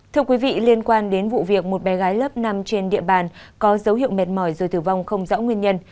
thưa quý vị liên quan đến vụ việc một bé gái lớp năm trên địa bàn có dấu hiệu mệt mỏi rồi tử vong không rõ nguyên nhân